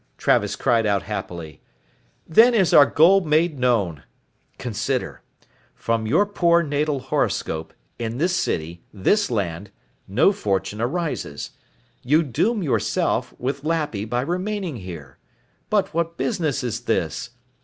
Travis cried out happily, "then is our goal made known. Consider: from your poor natal horoscope, in this city, this land, no fortune arises. You doom yourself, with Lappy, by remaining here. But what business is this?